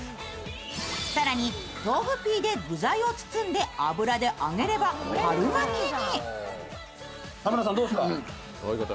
更に豆腐皮で具材を包んで油で揚げれば春巻きに。